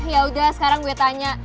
yaudah sekarang gue tanya